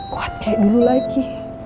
kuat kayak dulu lagi